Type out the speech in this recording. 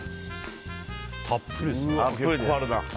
たっぷりですね。